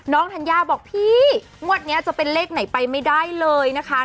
ธัญญาบอกพี่งวดนี้จะเป็นเลขไหนไปไม่ได้เลยนะคะ